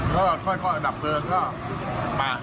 แล้วค่อยดับเบอร์ก็มา